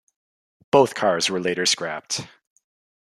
Both cars were later scrapped.